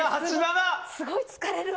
すごい疲れるわ。